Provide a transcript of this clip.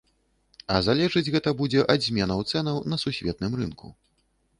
А залежыць гэта будзе ад зменаў цэнаў на сусветным рынку.